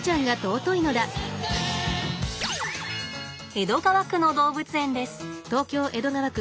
江戸川区の動物園です。